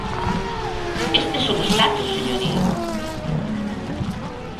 Estes son os datos, señoría.